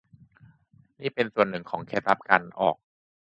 นี่เป็นส่วนหนึ่งของเคล็ดลับการออก